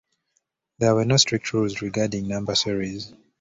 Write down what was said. There were no strict rules regarding number series.